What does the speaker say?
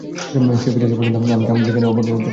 সে ফিরে আসা পর্যন্ত আমি কি আপনার এখানে অপেক্ষা করতে পারি?